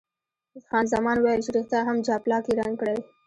خان زمان ویل چې ریښتیا هم جاپلاک یې رنګ کړی.